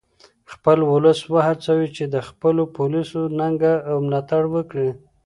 خپل ولس و هڅوئ چې د خپلو پولیسو ننګه او ملاتړ وکړي